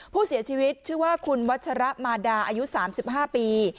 ผู้เสียชีวิตชื่อว่าคุณวัชระมาดาอายุ๓๕ปี